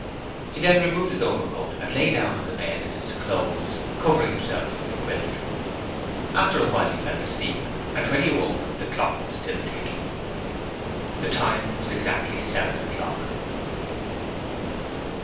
He then removed his overcoat and lay down on the bed in his clothes, covering himself with the quilt. After a while he fell asleep, and when he awoke the clock was still ticking. The time was exactly seven o'clock.